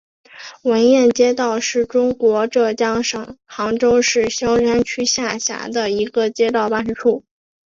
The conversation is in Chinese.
闻堰街道是中国浙江省杭州市萧山区下辖的一个街道办事处。